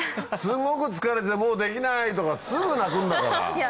すごく疲れてもうできないとかすぐ泣くんだから。